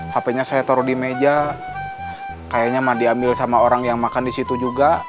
hp nya saya taruh di meja kayaknya mah diambil sama orang yang makan di situ juga